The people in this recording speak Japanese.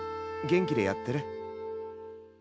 元気でやってる？